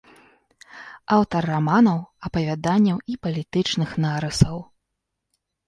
Аўтар раманаў, апавяданняў і палітычных нарысаў.